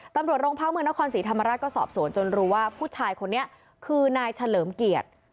ตำรวจโรงพักเมืองนครศรีธรรมราชก็สอบสวนจนรู้ว่าผู้ชายคนนี้คือนายเฉลิมเกียรติ